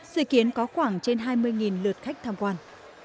sự kiến có khoảng trên hai mươi lượt khách tham quan